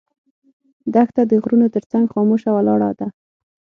دښته د غرونو تر څنګ خاموشه ولاړه ده.